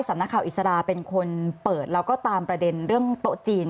นักข่าวอิสระเป็นคนเปิดแล้วก็ตามประเด็นเรื่องโต๊ะจีน